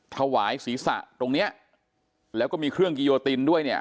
ถวายศีรษะตรงเนี้ยแล้วก็มีเครื่องกิโยตินด้วยเนี่ย